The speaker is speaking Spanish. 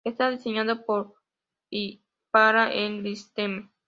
Está diseñado por y para Enlightenment.